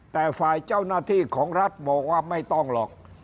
แต่ฝ่ายเจ้าหน้าที่ของรัฐบอกว่าไม่ต้องหรอก